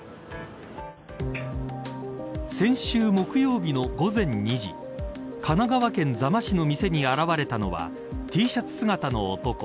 先週木曜日の午前２時神奈川県座間市の店に現れたのはＴシャツ姿の男。